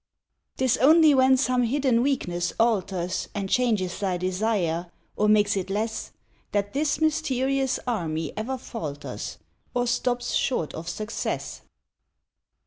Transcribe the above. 'Tis only when some hidden weakness alters And changes thy desire, or makes it less, That this mysterious army ever falters Or stops short of success.